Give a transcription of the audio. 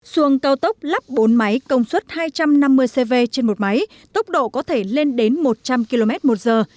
xuồng cao tốc lắp bốn máy công suất hai trăm năm mươi cv trên một máy tốc độ có thể lên đến một trăm linh km một giờ